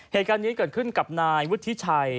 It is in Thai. เหตุการณ์นี้เกิดขึ้นกับนายวุฒิชัย